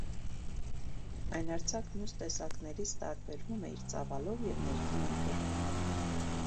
Այն արձակ մյուս տեսակներից տարբերվում է իր ծավալով և ներքին ընդգրկումով։